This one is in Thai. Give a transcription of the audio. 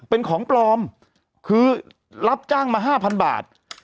เป็นของปลอมคือรับจ้างมา๕๐๐บาท